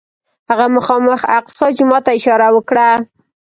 هغه مخامخ الاقصی جومات ته اشاره وکړه.